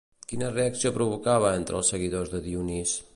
Quina reacció provocava entre els seguidors de Dionís?